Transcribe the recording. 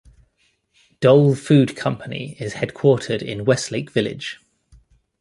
Dole Food Company is headquartered in Westlake Village.